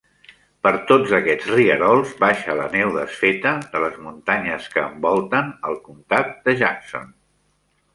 Per tots aquests rierols baixa la neu desfeta de les muntanyes que envolten el comtat de Jackson.